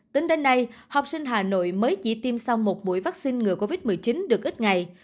tính đến nay học sinh hà nội mới chỉ tiêm sau một buổi vaccine ngừa covid một mươi chín được ít ngày